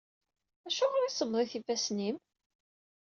Acuɣer i semmḍit yifassen-im?